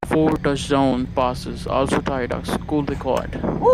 The four touchdown passes also tied a school record.